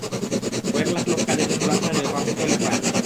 কয়েক লাখ লোক কাজের জন্য রাস্তায় নেমে পাবলিক টয়লেট পায় না।